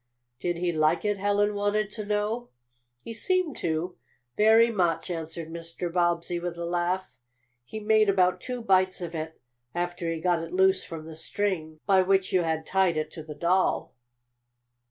"Did he like it?" Helen wanted to know. "He seemed to very much," answered Mr. Bobbsey with a laugh. "He made about two bites of it, after he got it loose from the string by which you had tied it to the doll."